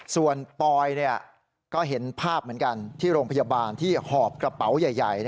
ส่วนปอยก็เห็นภาพเหมือนกันที่โรงพยาบาลที่หอบกระเป๋าใหญ่